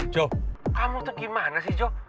joh kamu tuh gimana sih jo